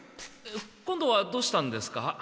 今度はどうしたんですか？